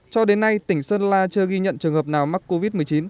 cho đến nay tỉnh sơn la chưa ghi nhận trường hợp nào mắc covid một mươi chín